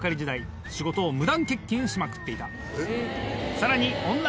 さらに。